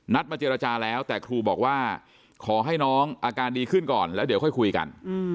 มาเจรจาแล้วแต่ครูบอกว่าขอให้น้องอาการดีขึ้นก่อนแล้วเดี๋ยวค่อยคุยกัน